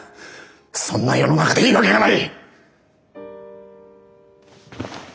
そんな世の中でいいわけがない！